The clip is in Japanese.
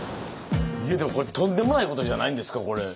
いやでもこれとんでもないことじゃないんですかこれ。